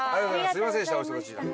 すみませんでしたお忙しいのに。